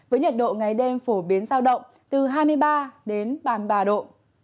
với nhiệt độ ngày đêm phổ biến giao động từ hai mươi ba đến ba mươi ba độ